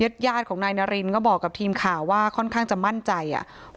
ญาติญาติของนายนารินก็บอกกับทีมข่าวว่าค่อนข้างจะมั่นใจอ่ะ